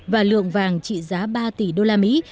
và lượng vàng trị giá ba tỷ đô la mỹ